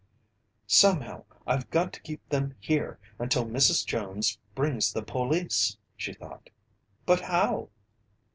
"Somehow I've got to keep them here until Mrs. Jones brings the police!" she thought. "But how?"